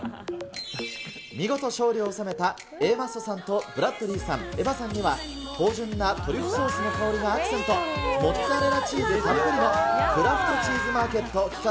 見事、勝利を収めたＡマッソさんとブラッドリーさん、エヴァさんには、芳じゅんなトリュフソースの香りがアクセント、モッツァレラチーズたっぷりのクラフト・チーズ・マーケット期間